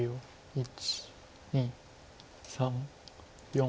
１２３４。